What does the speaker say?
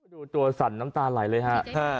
ดูตัวสั่นน้ำตาไหลเลยฮะ